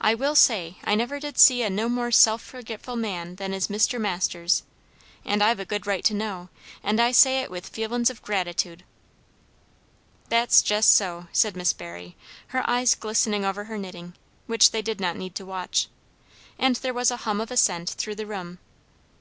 I will say, I never did see a no more self forgetful man than is Mr. Masters; and I've a good right to know, and I say it with feelin's of gratitude." "That's jes' so," said Miss Barry, her eyes glistening over her knitting, which they did not need to watch. And there was a hum of assent through the room.